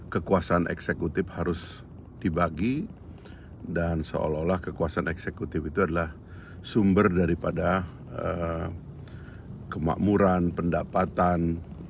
kekuasaan eksekutif harus dibagi dan seolah olah kekuasaan eksekutif itu adalah sumber daripada kemakmuran pendapatan